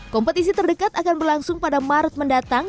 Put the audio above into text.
kompetisi terdekat akan berlangsung pada maret mendatang